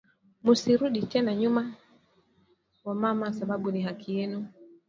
Musi rudi tena nyuma wa mama sababu ni haki yenu